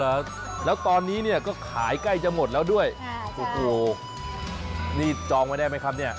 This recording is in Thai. อ๋อเหรอแล้วตอนนี้ก็ขายใกล้จะหมดแล้วด้วยโอ้โฮนี่จองไว้ได้ไหมครับ